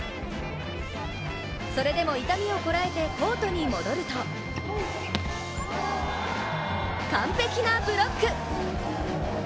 それでも痛みをこらえてコートに戻ると完璧なブロック！